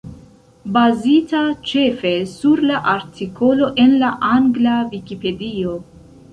Bazita ĉefe sur la artikolo en la angla Vikipedio.